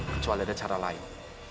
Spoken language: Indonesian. kecuali ada cara lain